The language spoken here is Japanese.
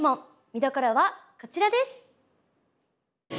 みどころはこちらです！